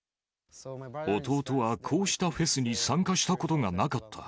弟は、こうしたフェスに参加したことがなかった。